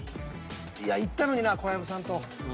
いや行ったのにな小籔さんと。